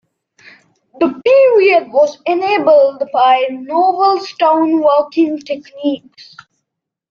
The period was enabled by novel stone working techniques.